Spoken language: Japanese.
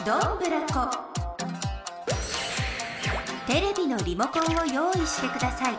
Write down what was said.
テレビのリモコンを用いしてください。